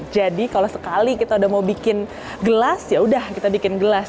jadi kalau sekali kita sudah mau bikin gelas yaudah kita bikin gelas